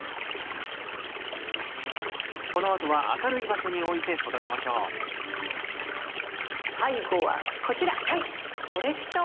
このあとは明るい場所に置いて育てましょう最後はこちらコレクションボックスです。